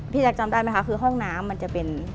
แจ๊คจำได้ไหมคะคือห้องน้ำมันจะเป็น